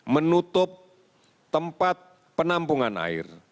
menutup tempat penampungan air